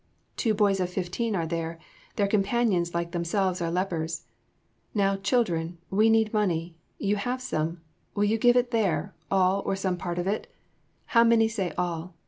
Two boys of fifteen are there their companions like themselves are lepers. "Now, children, we need money; you have some; will you give it there, all or some part of it? How many say all?